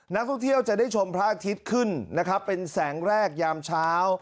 นักท่องเที่ยวจะได้ชมพระอาทิตย์ขึ้นนะครับเป็นแสงแรกยามเช้า